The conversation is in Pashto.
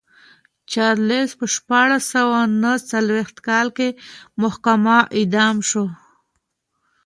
چارلېز په شپاړس سوه نه څلوېښت کال کې محاکمه او اعدام شو.